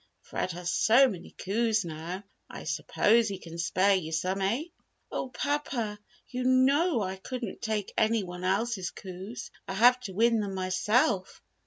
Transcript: Fred has so many coups now, I suppose he can spare you some, eh?" "Oh, papa! you know I couldn't take any one else's coups! I have to win them myself!"